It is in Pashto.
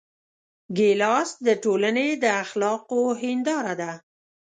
ګیلاس د ټولنې د اخلاقو هنداره ده.